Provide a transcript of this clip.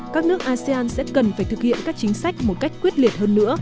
các nước asean sẽ cần phải thực hiện các chính sách một cách quyết liệt hơn nữa